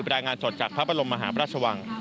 รายงานสดจากพระบรมมหาพระราชวัง